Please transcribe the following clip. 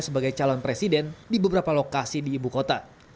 sebagai calon presiden di beberapa lokasi di ibu kota